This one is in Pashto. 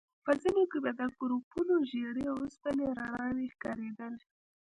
په ځينو کې به د ګروپونو ژيړې او سپينې رڼاوي ښکارېدلې.